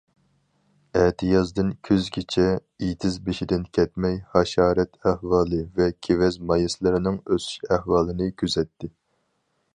ئەتىيازدىن كۈزگىچە ئېتىز بېشىدىن كەتمەي، ھاشارات ئەھۋالى ۋە كېۋەز مايسىلىرىنىڭ ئۆسۈش ئەھۋالىنى كۆزەتتى.